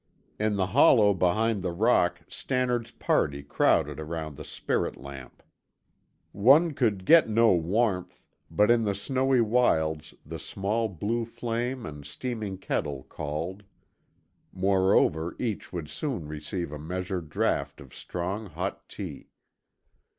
In the hollow behind the rock Stannard's party crowded round the spirit lamp. One could get no warmth, but in the snowy wilds the small blue flame and steaming kettle called. Moreover, each would soon receive a measured draught of strong hot tea.